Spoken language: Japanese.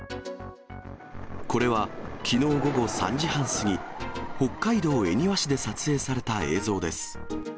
これは、きのう午後３時半過ぎ、北海道恵庭市で撮影された映像です。